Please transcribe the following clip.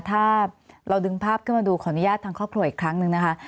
ถ้าเราดึงภาพขึ้นมาดูขออนุญาตทางครอบครัวอีกครั้งหนึ่งนะคะ